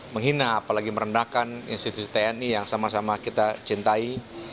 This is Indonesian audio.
menghina apalagi merendahkan institusi tni yang sama sama kita cintai